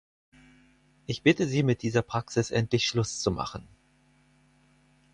Ich bitte Sie, mit dieser Praxis endlich Schluss zu machen.